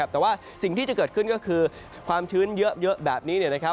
แต่ว่าสิ่งที่จะเกิดขึ้นก็คือความชื้นเยอะแบบนี้